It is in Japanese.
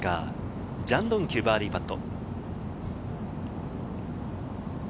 ジャン・ドンキュ、バーディーパット。